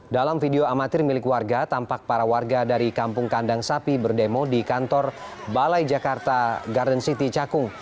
dalam video amatir milik warga tampak para warga dari kampung kandang sapi berdemo di kantor balai jakarta garden city cakung